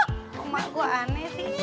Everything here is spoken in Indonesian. umar gue aneh sih